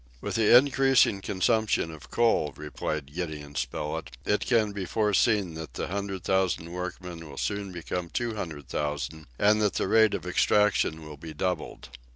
"With the increasing consumption of coal," replied Gideon Spilett, "it can be foreseen that the hundred thousand workmen will soon become two hundred thousand, and that the rate of extraction will be doubled."